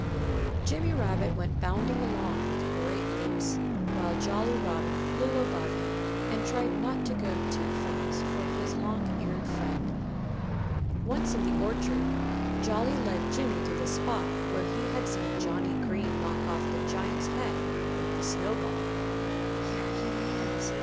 Jimmy Rabbit went bounding along with great leaps, while Jolly Robin flew above him and tried not to go too fast for his long eared friend. Once in the orchard, Jolly led Jimmy to the spot where he had seen Johnnie Green knock off the giant's head with the snowball. "Here he is!"